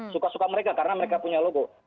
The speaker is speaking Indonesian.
suka suka mereka karena mereka punya logo